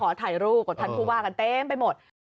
ขอถ่ายรูปกดทันคู่ว่ากันเต็มไปหมด